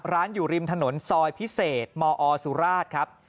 อยู่ริมถนนซอยพิเศษมอสุราชครับ